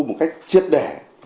một cách chiết đẻ